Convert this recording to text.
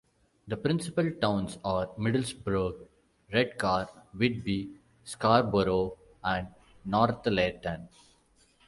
The principal towns are Middlesbrough, Redcar, Whitby, Scarborough and Northallerton.